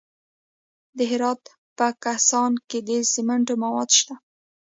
د هرات په کهسان کې د سمنټو مواد شته.